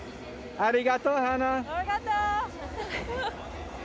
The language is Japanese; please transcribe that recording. ありがとう、ハナ。